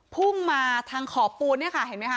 พุ่งมาทางขอบปูนเนี่ยค่ะเห็นไหมคะ